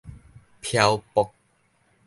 飄泊